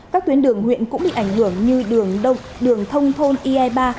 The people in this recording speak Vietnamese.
các tuyến đường huyện cũng bị ảnh hưởng như đường đông đường thông thôn ia ba